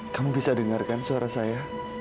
kamu bisa dengarkan suara saya